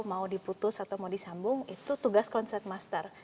mau diputus atau mau disambung itu tugas konsep master